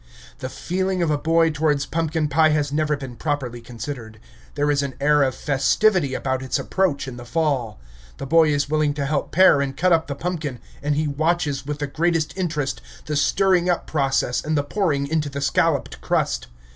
The feeling of a boy towards pumpkin pie has never been properly considered. There is an air of festivity about its approach in the fall. The boy is willing to help pare and cut up the pumpkin, and he watches with the greatest interest the stirring up process and the pouring into the scalloped crust.